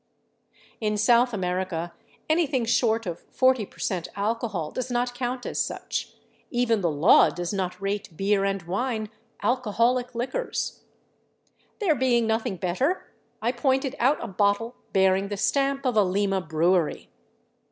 ." In South America anything short of forty peroent alcohol does uot count as such ; even the law does not rate beer and wine " alcohoHc 286 DRAWBACKS OF THE TRAIL liquors." There being nothing better, I pointed out a bottle bearing" the stamp of a Lima brewery.